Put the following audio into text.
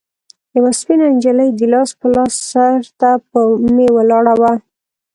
يوه سپينه نجلۍ ګيلاس په لاس سر ته مې ولاړه وه.